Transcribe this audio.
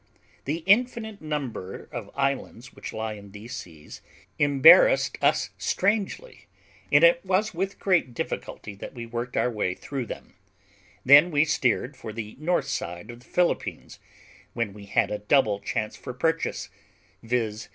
The infinite number of islands which lie in these seas embarrassed us strangely, and it was with great difficulty that we worked our way through them; then we steered for the north side of the Philippines, when we had a double chance for purchase, viz.